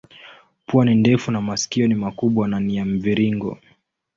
Pua ni ndefu na masikio ni makubwa na ya mviringo.